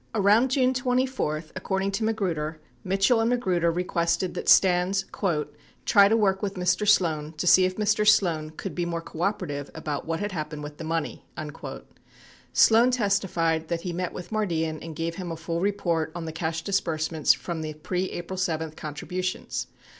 78 Around June 24, according to Magruder, Mitchell and Magruder requested that Stans "try to work with Mr. Sloan to see if Mr. Sloan could be more cooperative about what had happened with the money." 74 Sloan testified that he met with Mardian and gave him a full report on the cash disbursements from the pre April 7 contribu tions.